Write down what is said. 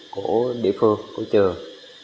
của địa phương của trường